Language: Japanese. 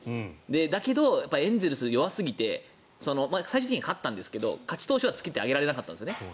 だけど、エンゼルスが弱すぎて最終的に勝ったんですけど勝ち投手はつけてあげられなかったんですね。